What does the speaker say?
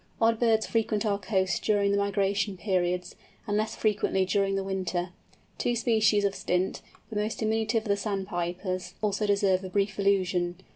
Odd birds frequent our coasts during the migration periods, and less frequently during the winter. Two species of Stint—the most diminutive of the Sandpipers—also deserve a brief allusion.